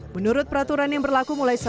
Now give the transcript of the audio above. menurut peraturan yang berlaku mulai